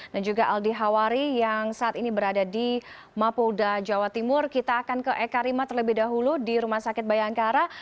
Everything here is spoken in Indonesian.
dan juga aldi hawari yang saat ini berada di mapuda jawa timur kita akan ke eka rima terlebih dahulu di rumah sakit bayangkara